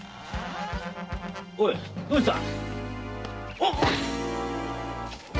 おいどうした？